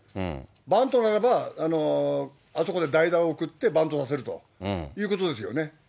バントならばあそこで代打を送って、バントさせるということですよね。